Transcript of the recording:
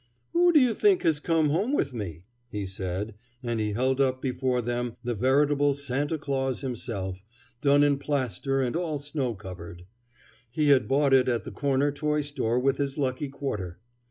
"Who do you think has come home with me?" he said, and he held up before them the veritable Santa Claus himself, done in plaster and all snow covered. He had bought it at the corner toy store with his lucky quarter.